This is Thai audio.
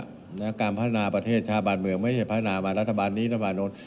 การพัฒนาประเทศชาติบ้านเมืองไม่ใช่พัฒนามารัฐบาลนี้รัฐบาลโน้น